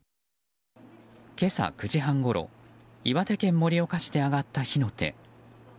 今朝９時半ごろ岩手県盛岡市で上がった火の手。